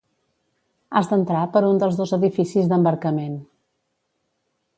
Has d'entrar per un dels dos edificis d'embarcament.